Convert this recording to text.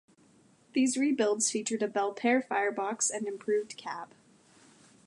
These rebuilds featured a Belpaire firebox and improved cab.